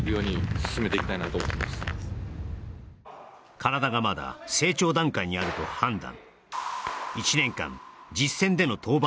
体がまだ成長段階にあると判断